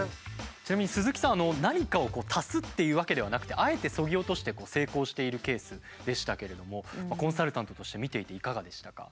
ちなみに鈴木さん何かを足すっていうわけではなくてあえてそぎ落として成功しているケースでしたけれどもコンサルタントとして見ていていかがでしたか？